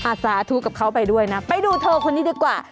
สาธุกับเขาไปด้วยนะไปดูเธอคนนี้ดีกว่า